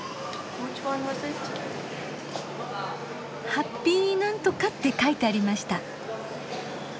「ハッピーなんとか」って書いてありました。